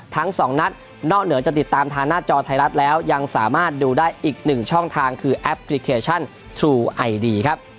ทั้งสองนัดนอกเหนือจะติดตามทางหน้าจอไทยรัฐแล้วยังสามารถดูได้อีกหนึ่งช่องทางคือแอปพลิเคชันทรูไอดีครับ